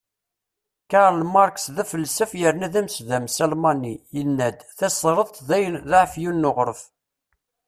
Karl Marx, d afelsaf yerna d amesdames Almani, yenna-d: Tasredt d aεefyun n uɣref.